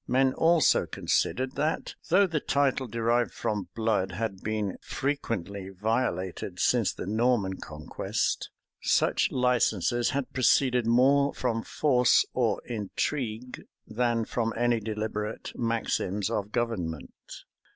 Men also considered, that though the title derived from blood had been frequently violated since the Norman conquest, such licenses had proceeded more from force or intrigue than from any deliberate maxims of government.